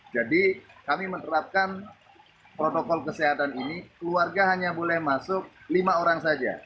kami menerapkan protokol kesehatan ini keluarga hanya boleh masuk lima orang saja